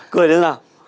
cười lên nào